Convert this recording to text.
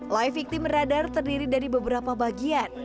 live victim radar terdiri dari beberapa bagian